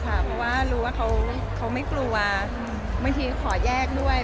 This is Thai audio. เพราะว่ารู้ว่าเขาไม่กลัวบางทีขอแยกด้วย